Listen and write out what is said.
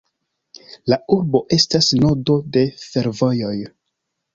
La urbo estas nodo de fervojoj.